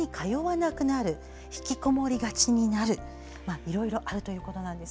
いろいろあるということなんです。